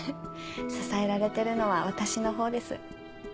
支えられてるのは私のほうです。